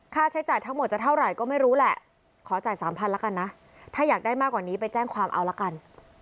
ค่าใช้จ่ายทั้งหมดจะเท่าไหร่ก็ไม่รู้แหละขอจ่ายสามพันแล้วกันนะถ้าอยากได้มากกว่านี้ไปแจ้งความเอาละกัน